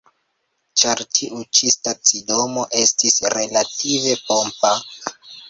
Ĉar tiu ĉi stacidomo estis relative pompa.